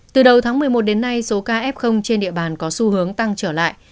từ đầu tháng một mươi một đến nay số ca f trên địa bàn có xu hướng tăng trở lại